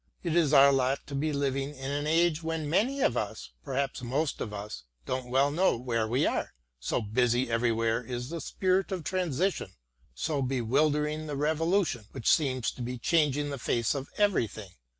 It is our lot to be living in an age when many of us, perhaps most of us, don't well know where we are, so busy everywhere is the spirit of transition, so bewildering the revolution which seems to be changing the face of everything.